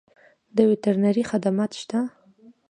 د وترنرۍ خدمات شته؟